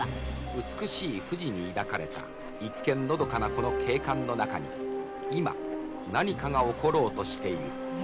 美しい富士に抱かれた、一見のどかなこの景観の中に、今、何かが起ころうとしている。